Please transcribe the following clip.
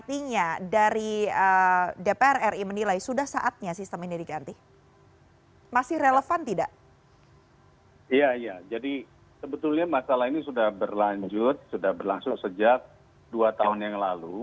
iya jadi sebetulnya masalah ini sudah berlanjut sudah berlangsung sejak dua tahun yang lalu